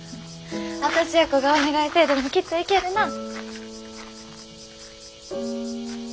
私やこがお願いせえでもきっと行けるなあ。